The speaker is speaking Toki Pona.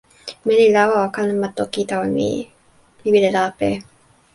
meli lawa o kalama toki tawa mi. mi wile lape.